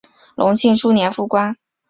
隆庆初年复官。